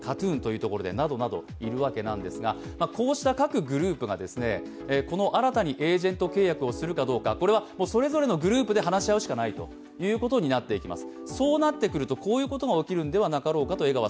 こうした各グループが新たにエージェント契約をするかどうかこれはそれぞれのグループで話し合うしかないということになっていきます